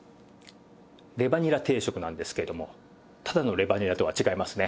レバにら定食なんですけれどもただのレバにらとは違いますね。